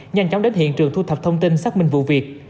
nhanh chóng đến hiện trường thu thập thông tin xác minh vụ việc